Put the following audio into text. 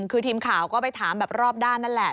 คือทีมข่าวก็ไปถามแบบรอบด้านนั่นแหละ